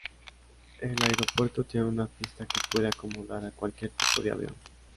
El aeropuerto tiene una pista que puede acomodar a cualquier tipo de avión.